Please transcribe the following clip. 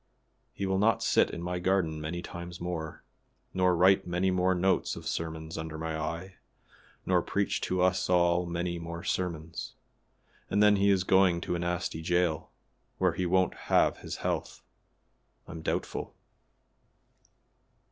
"He will not sit in my garden many times more, nor write many more notes of sermons under my eye, nor preach to us all many more sermons; and then he is going to a nasty jail, where he won't have his health, I'm doubtful.